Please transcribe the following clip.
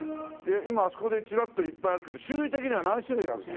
今あそこでチラッといっぱいあるけど種類的には何種類あるの？